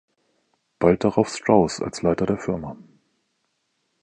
Bald darauf Strouse als Leiter der Firma.